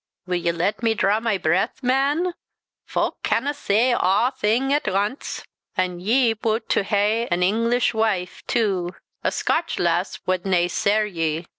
Wull ye let me draw my breath, man? Fowk canna say awthing at ance. An' ye bute to hae an Inglish wife tu; a Scotch lass wad nae serr ye.